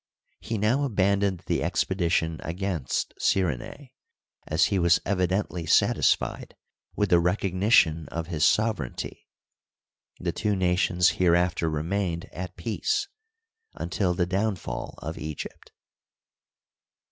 He now abandoned the expedition against Cyrenae, as he was evi dently satisfied with the recognition of his sovereignty. The two nations hereafter remained at peace until the downfall of Egypt.